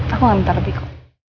aku gak minta lebih kok